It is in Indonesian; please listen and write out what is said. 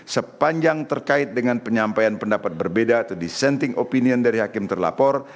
sepanjang terkait dengan penyampaian pendapat berbeda atau dissenting opinion dari hakim terlapor